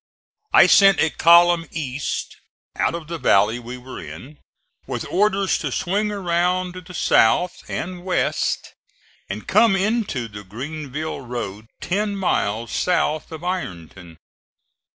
I sent a column east out of the valley we were in, with orders to swing around to the south and west and come into the Greenville road ten miles south of Ironton.